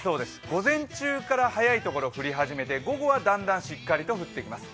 午前中から早い所は降り始めて午後はだんだんしっかりと降ってきます。